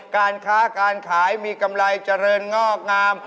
การค้าการขายมีกำไรเจริญงอกงาม